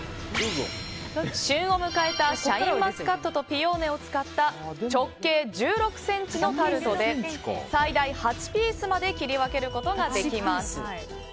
旬を迎えたシャインマスカットとピオーネを使った直径１６ｃｍのタルトで最大８ピースまで切り分けることができます。